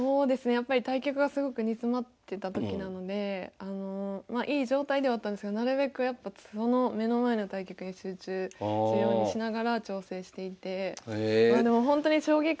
やっぱり対局がすごく煮詰まってた時なのでいい状態ではあったんですけどなるべくやっぱその目の前の対局に集中するようにしながら調整していて。